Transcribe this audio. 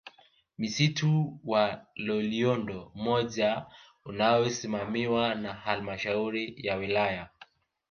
Msitu wa Loliondo moja unaosimamiwa na Halmashauri ya Wilaya